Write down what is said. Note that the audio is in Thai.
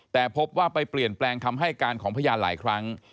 แต่พบว่าไปเปลี่ยนแปลงคำให้การของพยานหลายครั้ง